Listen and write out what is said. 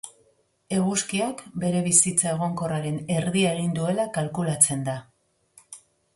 Eguzkiak bere bizitza egonkorraren erdia egin duela kalkulatzen da.